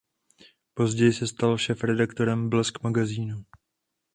Později se stal šéfredaktorem "Blesk Magazínu".